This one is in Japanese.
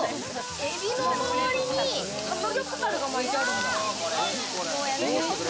エビの周りに、サムギョプサルが巻いてある。